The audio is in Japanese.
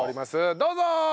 どうぞ！